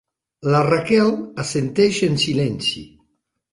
La Raquel assenteix en silenci.